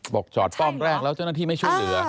บอกจอดป้อมแรกแล้วเจ้าหน้าที่ไม่ช่วยเหลือ